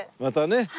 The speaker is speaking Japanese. またね。